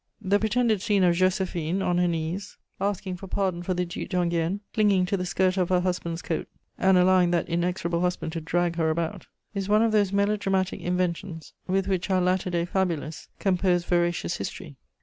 The pretended scene of Joséphine on her knees asking for pardon for the Duc d'Enghien, clinging to the skirt of her husband's coat and allowing that inexorable husband to drag her about, is one of those melodramatic inventions with which our latter day fabulists compose veracious history.